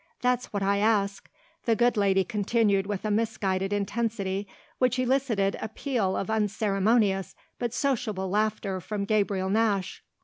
That's what I ask," the good lady continued with a misguided intensity which elicited a peal of unceremonious but sociable laughter from Gabriel Nash.